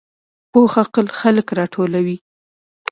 پوخ عقل خلک راټولوي